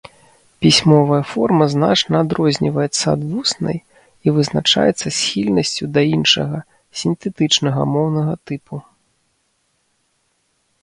Пісьмовая форма значна адрозніваецца ад вуснай і вызначаецца схільнасцю да іншага, сінтэтычнага, моўнага тыпу.